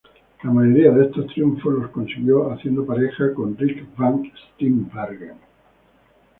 La mayoría de estos triunfos los consiguió haciendo pareja con Rik Van Steenbergen.